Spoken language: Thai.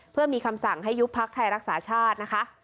เพื่อมีคำสั่งให้ยุบพักไทยรักษาชาตินะคะ